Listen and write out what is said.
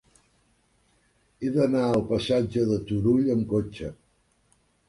He d'anar al passatge de Turull amb cotxe.